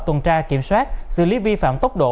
tuần tra kiểm soát xử lý vi phạm tốc độ